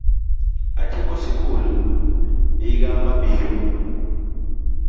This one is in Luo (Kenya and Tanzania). Atieko sikul yiga mabiro